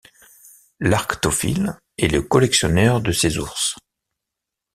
L’arctophile est le collectionneur de ces ours.